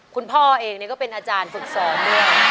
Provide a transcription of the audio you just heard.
คุณพ่อเองเนี่ยก็เป็นอาจารย์ศึกษาด้วย